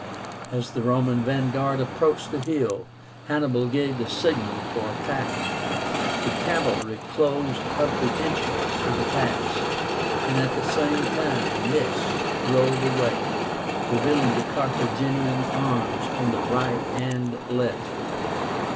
As the Roman vanguard approached the hill, Hannibal gave the signal for attack. The cavalry closed up the entrance to the pass, and at the same time the mist rolled away, revealing the Carthaginian arms on the right and left.